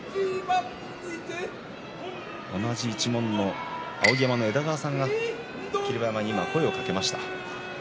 同じ一門の枝川さんが霧馬山に声をかけました。